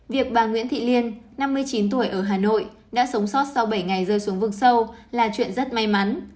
việc bà nguyễn thị liên năm mươi chín tuổi ở hà nội đã sống sót sau bảy ngày rơi xuống vực sâu là chuyện rất may mắn